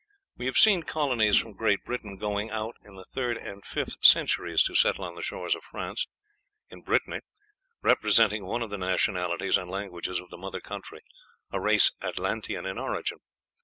We have seen colonies from Great Britain going out in the third and fifth centuries to settle on the shores of France, in Brittany, representing one of the nationalities and languages of the mother country a race Atlantean in origin.